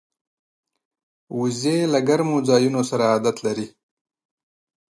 وزې له ګرمو ځایونو سره عادت لري